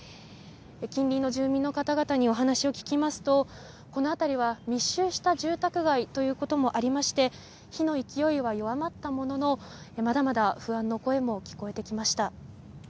近隣の住民の方々にお話を聞きますとこの辺りは密集した住宅街ということもありまして火の勢いは弱まったもののまだまだ不安の声も聞こえてきました。